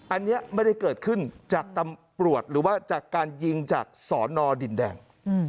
อันนี้ไม่ได้เกิดขึ้นจากตำรวจหรือว่าจากการยิงจากสอนอดินแดง